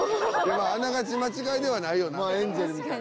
あながち間違いではないよな。